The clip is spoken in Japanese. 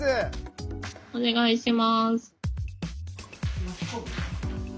お願いします。